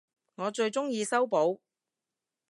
我最鍾意修補